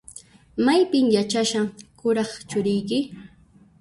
Maypin yachashan kuraq churiyki?